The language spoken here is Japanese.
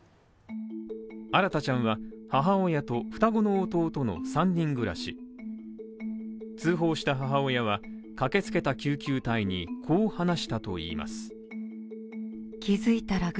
新大ちゃんは母親と双子の弟の３人暮らし、通報した母親は、駆けつけた救急隊にこう話したといいます。